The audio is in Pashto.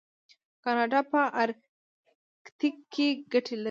کاناډا په ارکټیک کې ګټې لري.